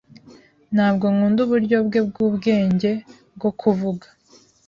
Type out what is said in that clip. Ntabwo nkunda uburyo bwe bwubwenge bwo kuvuga.